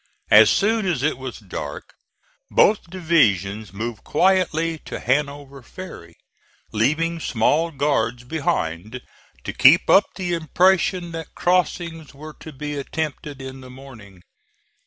As soon as it was dark both divisions moved quietly to Hanover Ferry, leaving small guards behind to keep up the impression that crossings were to be attempted in the morning.